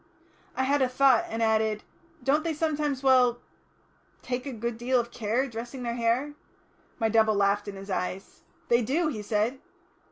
I had a thought, and added, "Don't they sometimes, well take a good deal of care, dressing their hair?" My double laughed in my eyes. "They do," he said.